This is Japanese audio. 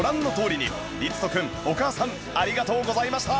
りつと君お母さんありがとうございました